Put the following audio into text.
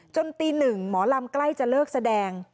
ตีหนึ่งหมอลำใกล้จะเลิกแสดง